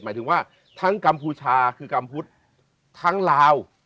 หมายถึงว่าทั้งกัมพูชาคือกัมพุทธทั้งลาว